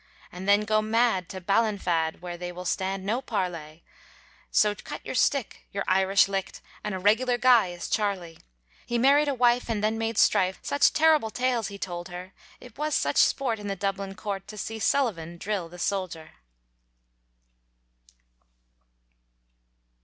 And then go mad to Ballinafad, Where they will stand no parley, So cut your stick, your Irish licked, And a regular guy is Charlie. He married a wife and then made strife, Such terrible tales he told her, It was such sport in the Dublin court, To see Sullivan drill the soldier.